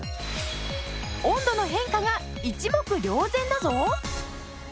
温度の変化が一目瞭然だぞ！